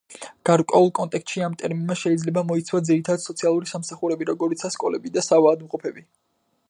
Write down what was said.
გარკვეულ კონტექსტში, ამ ტერმინმა შეიძლება მოიცვას ძირითად სოციალური სამსახურები, როგორიცაა სკოლები და საავადმყოფოები.